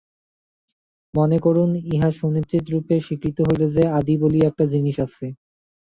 মনে করুন, ইহা সুনিশ্চিতরূপে স্বীকৃত হইল যে, আদি বলিয়া একটা জিনিষ আছে।